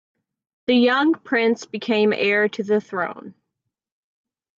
The young prince became heir to the throne.